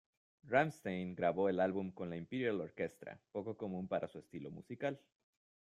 Rammstein grabó el álbum con la Imperial Orchestra, poco común para su estilo musical.